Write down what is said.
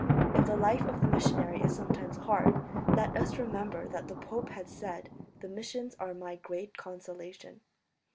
If the life of the missionary is sometimes hard, let us remember that the pope has said 'the missions are my great consolation.'